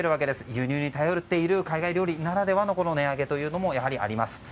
輸入に頼っている海外料理ならではの値上げというのもやはりあります。